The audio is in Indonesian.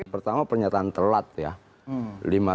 pertama pernyataan telat ya